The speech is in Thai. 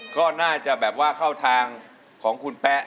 ก็น่าจะเข้าทางของคุณแป๊